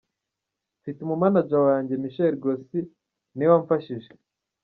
Mfite umu Manager wanjye Michel Grossy ni we wamfashije.